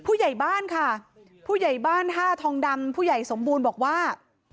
ผู้ใหญ่บ้านค่ะผู้ใหญ่บ้านท่าทองดำผู้ใหญ่สมบูรณ์บอกว่า